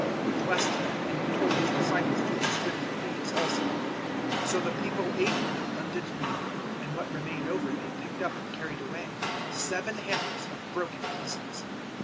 He blessed them, and He told His disciples to distribute these also. 008:008 So the people ate an abundant meal; and what remained over they picked up and carried away seven hampers of broken pieces.